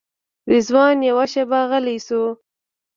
رضوان یوه شېبه غلی شو.